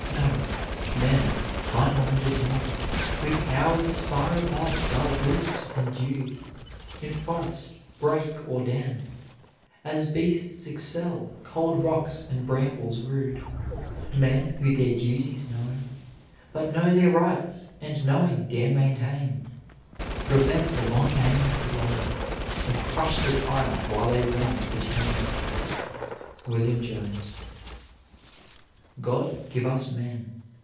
No: men, high minded men, With powers as far above dull brutes endued In forest, brake, or den, As beasts excel cold rocks and brambles rude, Men who their duties know, But know their rights, and knowing, dare maintain, Prevent the long aimed blow, And crush the tyrant while they rend the chain. WILLIAM JONES. God give us men.